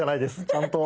ちゃんと。